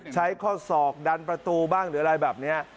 ใช้ข้อศอกดันประตูบ้างหรืออะไรแบบนี้